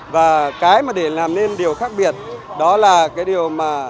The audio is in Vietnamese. và cái mà để làm nên điều khác biệt đó là cái điều mà